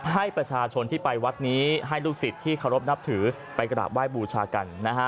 ให้ประชาชนที่ไปวัดนี้ให้ลูกศิษย์ที่เคารพนับถือไปกราบไห้บูชากันนะฮะ